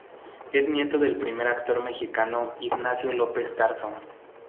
Es nieto del primer actor mexicano Ignacio López Tarso.